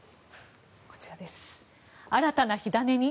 新たな火種に？